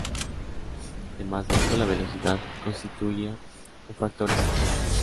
Además de esto, la velocidad constituía un factor esencial.